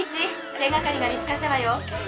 手がかりが見つかったわよ。